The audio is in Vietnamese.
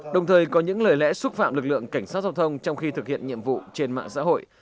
đồng thời có những lời lẽ xúc phạm lực lượng cảnh sát giao thông trong khi thực hiện nhiệm vụ trên mạng xã hội